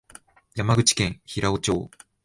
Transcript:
山口県平生町